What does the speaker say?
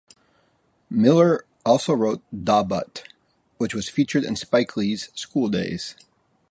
Miller also wrote "Da Butt", which was featured in Spike Lee's "School Daze".